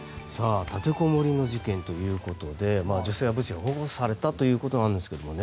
立てこもりの事件ということで女性は無事保護されたということなんですけどもね。